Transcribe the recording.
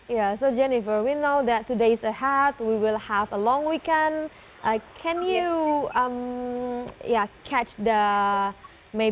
ya jadi jennifer kami tahu hari ini akan berjalan lancar kami akan memiliki peringkat panjang